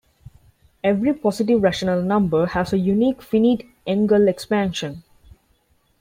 Every positive rational number has a unique finite Engel expansion.